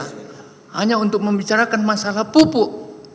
hanya untuk membicarakan masalah pupuk